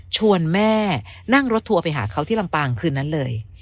ชวนแม่นั่งรถทัวร์ไปหาเขาที่ลำปางคืนนั้นเลย